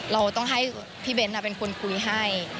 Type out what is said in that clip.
เราต้องให้พี่เบ้นเป็นคนคุยให้